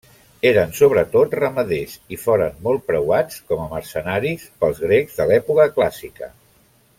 Eren sobretot ramaders, i foren molt preuats com a mercenaris pels grecs de l'època clàssica.